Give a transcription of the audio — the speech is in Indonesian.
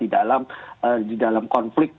di dalam konflik